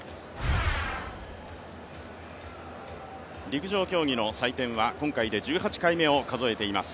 陸上競技の祭典は今回で１８回目を数えています